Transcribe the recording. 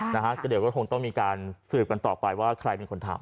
นะฮะก็เดี๋ยวก็คงต้องมีการสืบกันต่อไปว่าใครเป็นคนทำ